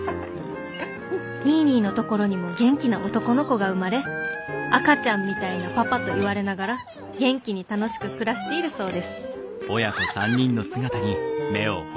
「ニーニーのところにも元気な男の子が生まれ『赤ちゃんみたいなパパ』と言われながら元気に楽しく暮らしているそうです」。